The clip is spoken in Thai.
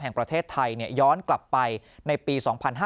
แห่งประเทศไทยย้อนกลับไปในปี๒๕๕๙